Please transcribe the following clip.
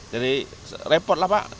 jadi repot lah pak